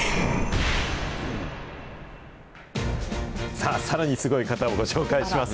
さあ、さらにすごい方をご紹介します。